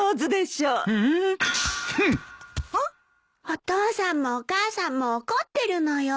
お父さんもお母さんも怒ってるのよ。